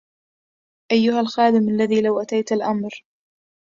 أيها الخادم الذي لو أتيت الأمر